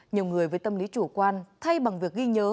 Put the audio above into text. nhiều người với tâm lý chủ quan thay bằng việc ghi nhớ